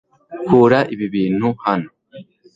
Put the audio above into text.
Kura ibi bintu hano .